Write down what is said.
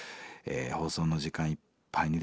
放送の時間いっぱいにですね